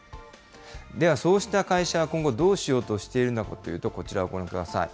では、そうした会社は今後、どうしようとしているのかというと、こちらをご覧ください。